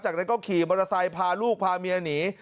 จากนั้นก็ขี่มอเตอร์ไซค์พาลูกพาเมียหนี